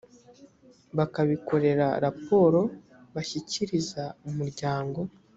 bakabikorera raporo bashyikiriza umuryango